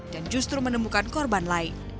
dan justru menemukan korban lain